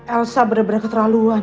elsa bener bener keterlaluan